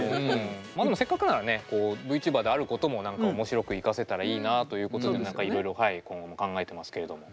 せっかくならねＶチューバーであることも何か面白く生かせたらいいなということで何かいろいろ今後も考えてますけれども。